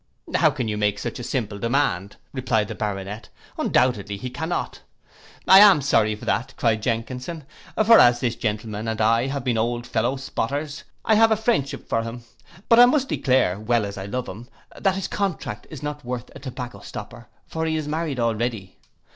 '—'How can you make such a simple demand,' replied the Baronet, 'undoubtedly he cannot.'—'I am sorry for that,' cried Jenkinson; 'for as this gentleman and I have been old fellow spotters, I have a friendship for him. But I must declare, well as I love him, that his contract is not worth a tobacco stopper, for he is married already.